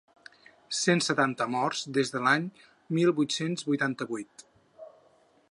Cent setanta morts des de l’any mil vuit-cents vuitanta-vuit.